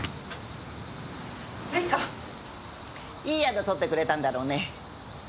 いい宿とってくれたんだろうね？